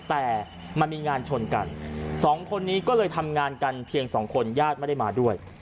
แต่มันมีงานชนกันสองคนนี้ก็เลยทำงานกันเพียงสองคนญาติไม่ได้มาด้วย